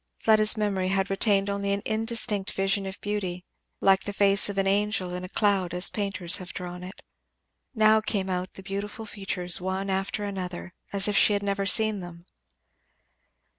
Fleda's memory had retained only an indistinct vision of beauty, like the face of an angel in a cloud as painters have drawn it; now came out the beautiful features one after another, as if she had never seen them.